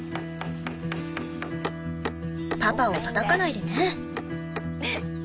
パパをたたかないでね。